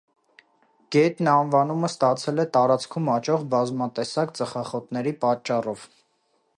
Գետն անվանումը ստացել է տարածքում աճող բազմատեսակ ծխախոտների պատճառով։